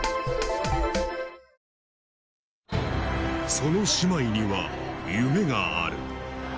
その姉妹には夢がある。